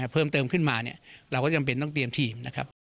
เพิ่มเติมขึ้นมาเนี่ยเราก็จำเป็นต้องเตรียมทีมนะครับ